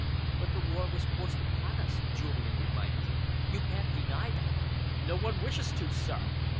"But the war was forced upon us," Julian reminded him. "You can't deny that." "No one wishes to, sir.